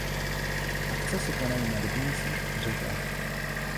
Akce se konají na rybnících i řekách.